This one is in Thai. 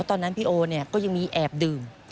ตอนนั้นพี่โอเนี่ยก็ยังมีแอบดื่ม